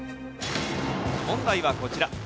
問題はこちら。